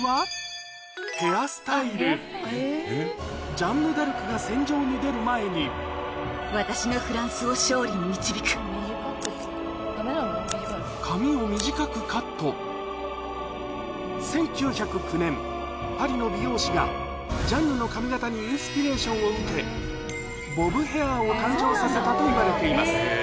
ジャンヌ・ダルクが戦場に出る前に髪を短くカット１９０９年パリの美容師がジャンヌの髪形にインスピレーションを受けボブヘアを誕生させたといわれています